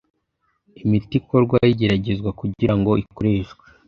imiti ikorwaho igeragezwa kugirango ikoreshwe